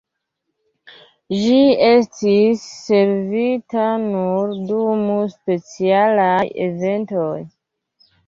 Ĝi estis servita nur dum specialaj eventoj.